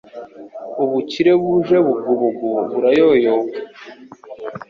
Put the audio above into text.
Ubukire buje bugubugu burayoyoka